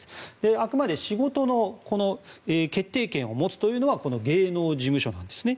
あくまで仕事の決定権を持つのは芸能事務所なんですね。